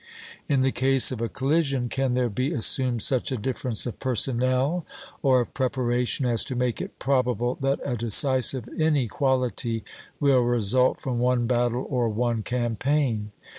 In the case of a collision can there be assumed such a difference of personnel, or of preparation, as to make it probable that a decisive inequality will result from one battle or one campaign?